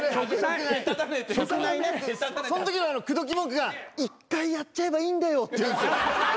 そんときの口説き文句が「一回やっちゃえばいいんだよ」って言うんですよ。